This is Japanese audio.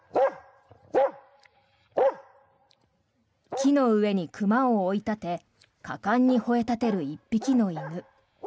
木の上に熊を追い立て果敢にほえ立てる１匹の犬。